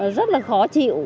rất là khó chịu